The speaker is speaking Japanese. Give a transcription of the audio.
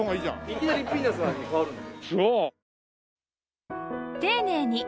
いきなりピーナツの味に変わるんで。